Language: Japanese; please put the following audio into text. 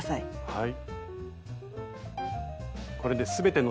はい。